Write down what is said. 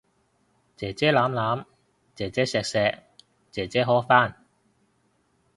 姐姐攬攬，姐姐錫錫，姐姐呵返